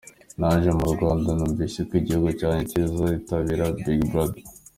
Naje mu Rwanda numvise ko igihugu cyanjye kizitabira Big Brother.